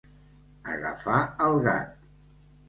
Agafar el gat.